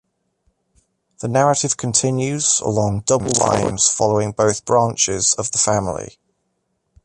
The narrative continues along double lines, following both "branches" of the family.